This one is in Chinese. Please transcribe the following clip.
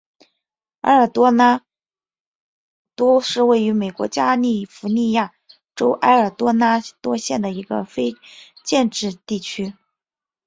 埃尔多拉多是位于美国加利福尼亚州埃尔多拉多县的一个非建制地区。